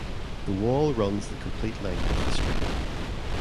The wall runs the complete length of the street.